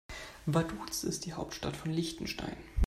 Vaduz ist die Hauptstadt von Liechtenstein.